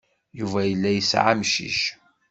Yuba yella yesɛa amcic.